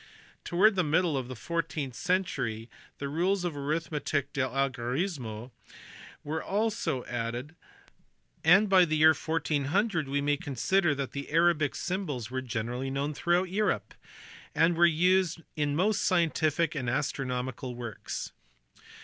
Towards the middle of the four teenth century the rules of arithmetic de algorismo were also added, and by the year 1400 we may consider that the Arabic symbols were generally known throughout Europe, and were used in most scientific and astronomical works.